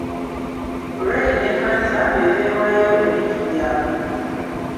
Gray ne Hunter ne beewaayo ebintu byabwe.